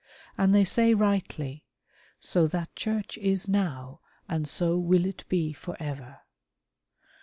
And they say rightly, " so that Church is now and so will it be for ever."